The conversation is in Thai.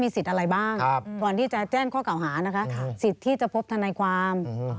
สิทธิ์ที่จะพบทนายความ